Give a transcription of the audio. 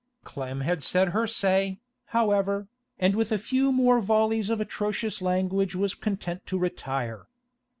Clem had said her say, however, and with a few more volleys of atrocious language was content to retire.